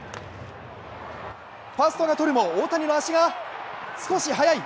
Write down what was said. ファーストがとるも、大谷の足が少し速い。